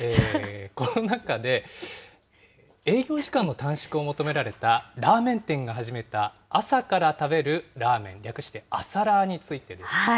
コロナ禍で営業時間の短縮を求められたラーメン店が始めた朝から食べるラーメン、略して朝ラーについてです。